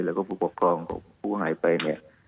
แล้วก็ผู้ปกครองของผู้หายไปเนี่ย